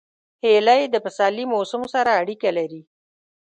هیلۍ د پسرلي موسم سره اړیکه لري